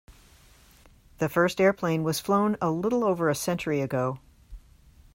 The first airplane was flown a little over a century ago.